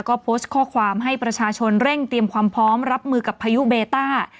ก็โพสต์ข้อความให้ประชาชนเร่งเตรียมความพร้อมรับมือกับพายุเบต้า